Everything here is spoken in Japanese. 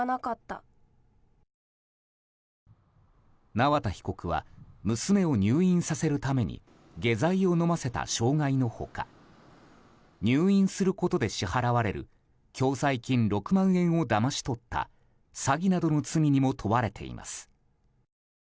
縄田被告は娘を入院させるために下剤を飲ませた傷害の他入院することで支払われる共済金６万円をだまし取った詐欺などの罪にも問われています。